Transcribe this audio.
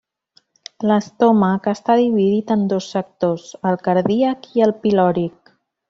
L'estómac està dividit en dos sectors: el cardíac i el pilòric.